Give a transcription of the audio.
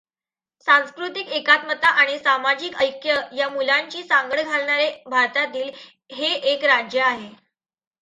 सांस्कृतिक एकात्मता आणि सामाजिक ऐक्य या मूल्यांची सांगड घालणारे भारतातील हे एक राज्य आहे.